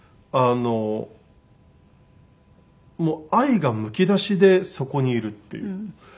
もう愛がむき出しでそこにいるっていう。